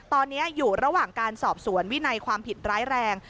ตอนนี้อยู่ระหว่างการสอบสวนวินัยความผิดร้ายแรง